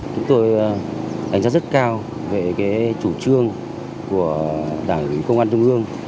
chúng tôi ảnh sát rất cao về chủ trương của đảng công an trung ương